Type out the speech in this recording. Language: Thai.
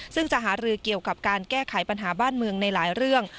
ซึ่งจะหารือเกี่ยวกับการแก้ไขปัญหาบ้านเมืองในหลายเรื่อง